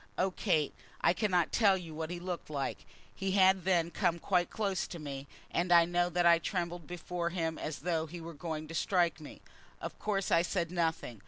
Oh, Kate, I cannot tell you what he looked like. He had then come quite close to me, and I know that I trembled before him as though he were going to strike me. Of course I said nothing.